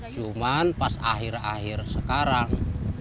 cuman pas akhir akhir sekarang